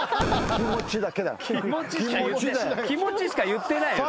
気持ちしか言ってないやん。